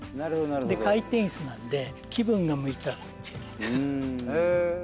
で回転椅子なんで気分が向いたらこっち。